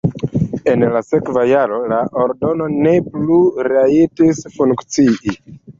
En la sekva jaro la ordeno ne plu rajtis funkcii.